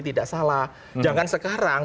tidak salah jangan sekarang